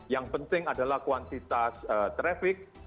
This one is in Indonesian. yang penting adalah kuantitas traffic